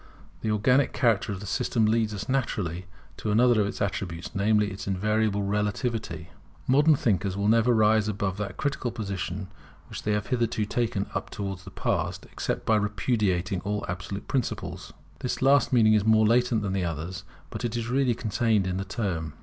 The organic character of the system leads us naturally to another of its attributes, namely its invariable relativity. Modern thinkers will never rise above that critical position which they have hitherto taken up towards the past, except by repudiating all absolute principles. This last meaning is more latent than the others, but is really contained in the term.